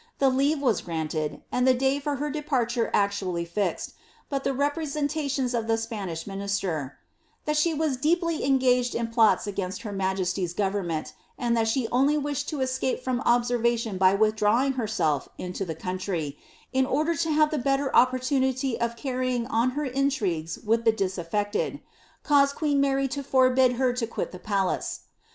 The leave was granted, and the day for her departure actually fixed, but the representations of the Spanish minister, ^ that she was deeply engaged in plots against her majesty's goiernment, and that she only wished to escape from obsen'ation by withdrawing herself into the country, in order to have the belter oppor tunity of carrying on her intrigues with the disaffected," caused queen Mary to forbid her to quit the palace.